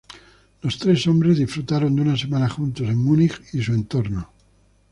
Los tres hombres disfrutaron de una semana juntos en Múnich y su entorno.